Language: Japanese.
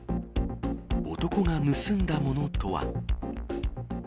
男が盗んだものとは。